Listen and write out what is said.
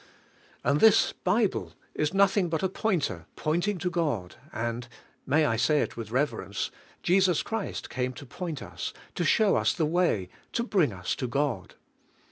And this Bible is nothing but a pointer, pointing to God; and, — may I say it with reverence — Jesus Christ came to point us, to show us the way, to bring us to God.